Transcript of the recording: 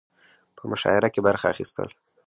په مشاعره کې برخه اخستل